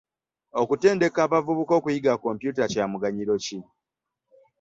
Okutendeka abavubuka okuyiga kompyuta kya muganyulo ki?